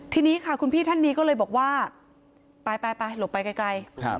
ทีนี้ค่ะคุณพี่ท่านนี้ก็เลยบอกว่าไปไปหลบไปไกล